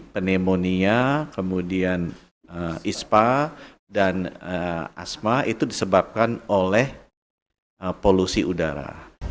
pneumonia kemudian ispa dan asma itu disebabkan oleh polusi udara